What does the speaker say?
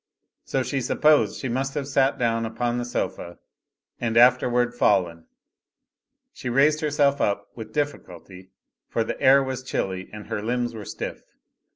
So she supposed she must have sat down upon the sofa and afterward fallen. She raised herself up, with difficulty, for the air was chilly and her limbs were stiff.